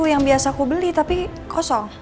yang biasa aku beli tapi kosong